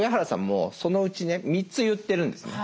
もうそのうちね３つ言ってるんですね。